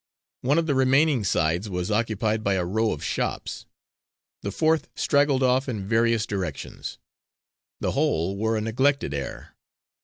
One of the remaining sides was occupied by a row of shops; the fourth straggled off in various directions. The whole wore a neglected air.